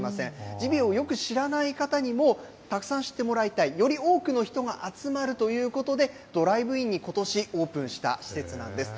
ジビエをよく知らない方にもたくさん知ってもらいたい、より多くの人が集まるということで、ドライブインにことし、オープンした施設なんです。